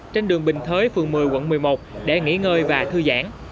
trên đường bình thới phường một mươi quận một mươi một để nghỉ ngơi và thư giãn